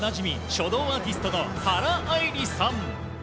書道アーティストの原愛梨さん。